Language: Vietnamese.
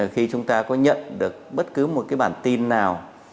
khi chúng ta có nhận được bất cứ một cái bản tin nào